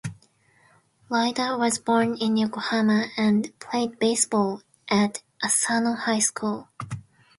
Iida was born in Yokohama and played baseball at Asano High School.